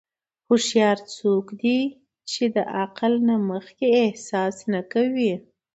هوښیار څوک دی چې د عقل نه مخکې احساس نه کوي.